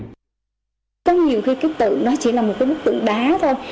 có nhiều khi cái tự nó chỉ là một cái bức tượng đá thôi